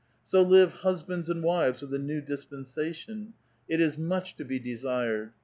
So live hus bands and wives of the new dispensation. It is much to be desired.